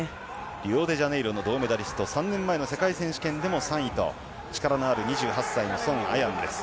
リオデジャネイロの銅メダリスト３年前の世界選手権でも３位と力のある２８歳のソン・アナンです。